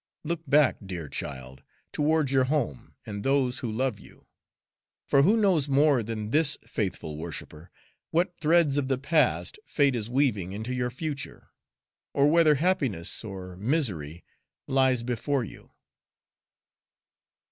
Look back, dear child, towards your home and those who love you! For who knows more than this faithful worshiper what threads of the past Fate is weaving into your future, or whether happiness or misery lies before you?